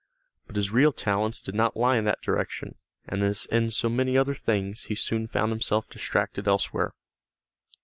But his real talents did not lie in that direction, and as in so many other things, he soon found himself distracted elsewhere.